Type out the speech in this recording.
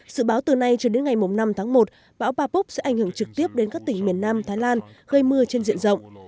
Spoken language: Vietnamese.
sự báo từ nay cho đến ngày năm tháng một bão bapok sẽ ảnh hưởng trực tiếp đến các tỉnh miền nam thái lan gây mưa trên diện rộng